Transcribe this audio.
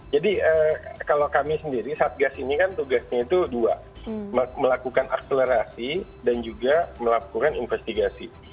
jadi kalau kami sendiri satgas ini kan tugasnya itu dua melakukan akselerasi dan juga melakukan investigasi